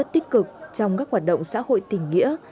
tích cực trong các hoạt động xã hội tình nghĩa